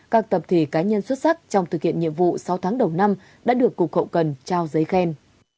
các tập thể cá nhân xuất sắc trong thực hiện nhiệm vụ sáu tháng đầu năm đã được cục hậu cần trao giấy khen